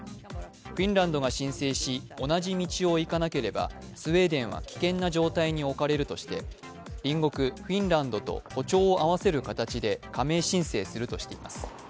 フィンランドが申請し同じ道を行かなければスウェーデンは危険な状態に置かれるとして隣国フィンランドと歩調を合わせる形で加盟申請するとしています。